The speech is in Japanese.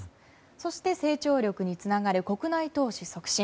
そして、成長力につながる国内投資促進。